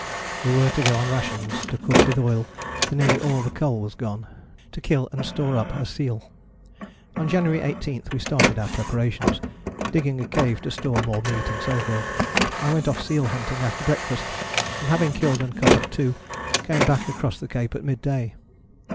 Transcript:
We were to go on rations; to cook with oil, for nearly all the coal was gone; to kill and store up seal. On January 18 we started our preparations, digging a cave to store more meat, and so forth. I went off seal hunting after breakfast, and having killed and cut up two, came back across the Cape at mid day.